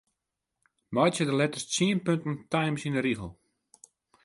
Meitsje de letters tsien punten Times yn 'e rigel.